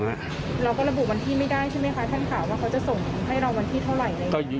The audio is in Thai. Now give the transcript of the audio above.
เราก็ระบุวันที่ไม่ได้ใช่ไหมคะท่านข่าวว่าเขาจะส่งให้เราวันที่เท่าไหร่